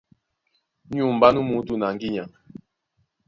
Ní unmbá nú muútú na ŋgínya.